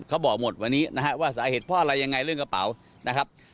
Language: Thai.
เขาบอกหมดวันนี้นะฮะว่าสาเหตุเพราะอะไรยังไงเรื่องกระเป๋านะครับ